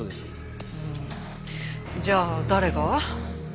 うんじゃあ誰が？